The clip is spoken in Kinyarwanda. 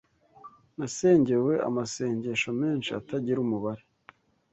Nasengewe amasengesho menshi atagira umubare